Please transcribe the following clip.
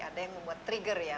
ada yang membuat trigger ya